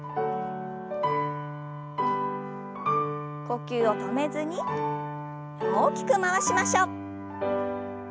呼吸を止めずに大きく回しましょう。